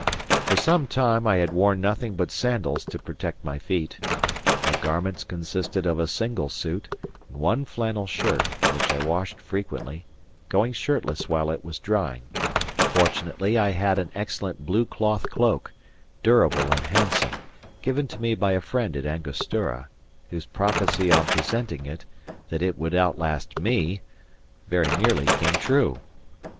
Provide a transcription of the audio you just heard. For some time I had worn nothing but sandals to protect my feet; my garments consisted of a single suit, and one flannel shirt, which I washed frequently, going shirtless while it was drying. Fortunately I had an excellent blue cloth cloak, durable and handsome, given to me by a friend at Angostura, whose prophecy on presenting it, that it would outlast ME, very nearly came true.